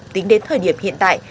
tính đến thời điểm hiện tại